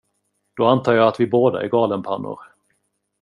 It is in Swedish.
Då antar jag att vi båda är galenpannor.